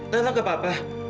tante tante apa apa